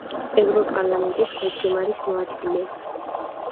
ევროპარლამენტის თავმჯდომარის მოადგილე.